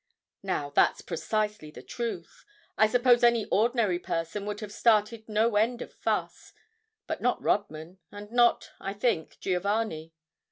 Now, that's precisely the truth. I suppose any ordinary person would have started no end of fuss. But not Rodman, and not, I think, Giovanni.